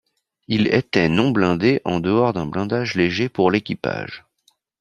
Il était non blindé en dehors d'un blindage léger pour l'équipage.